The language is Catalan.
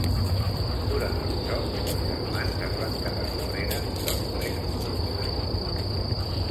Durant el joc, els germans es van quedar darrere dels tres concursants.